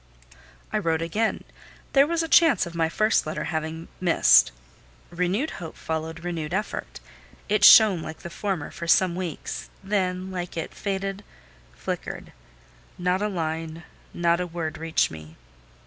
I wrote again: there was a chance of my first letter having missed. Renewed hope followed renewed effort: it shone like the former for some weeks, then, like it, it faded, flickered: not a line, not a word reached me.